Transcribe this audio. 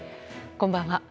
こんばんは。